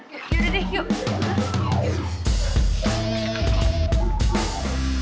yaudah deh yuk